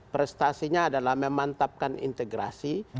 prestasinya adalah memantapkan integrasi